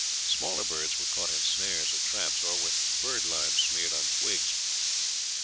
Smaller birds were caught in snares or traps, or with bird lime smeared on twigs.